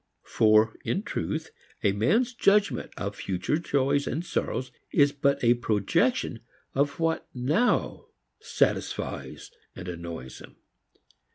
For, in truth, a man's judgment of future joys and sorrows is but a projection of what now satisfies and annoys him.